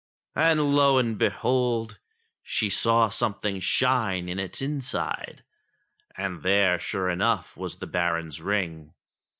And lo and behold ! she saw something shine in its in side, and there, sure enough, was the Baron's ring